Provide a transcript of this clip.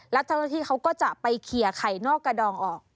แล้วเจ้าหน้าที่เขาก็จะไปเคลียร์ไข่นอกกระดองออก